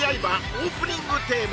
オープニングテーマ